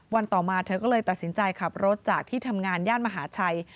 ต่อมาเธอก็เลยตัดสินใจขับรถจากที่ทำงานย่านมหาชัย